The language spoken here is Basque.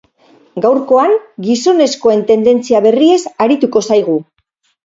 Gaurkoan, gizonezkoen tendentzia berriez arituko zaigu.